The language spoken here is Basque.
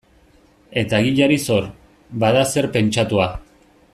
Eta egiari zor, bada zer pentsatua.